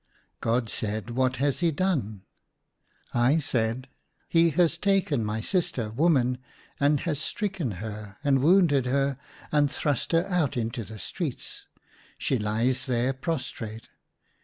God said, " What has he done ?" I said, "He has taken my sister, Woman, and has stricken her, and wounded her, and thrust her out into the streets ; she Hes there prostrate.